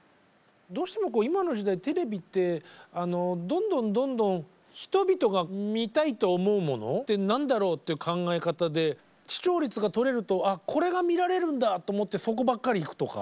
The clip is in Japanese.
どうしても今の時代テレビってどんどんどんどん人々が見たいと思うものって何だろうっていう考え方で視聴率が取れると「あっこれが見られるんだ」と思ってそこばっかりいくとか。